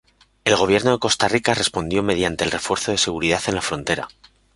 El Gobierno de Costa Rica respondió mediante el refuerzo de seguridad en la frontera.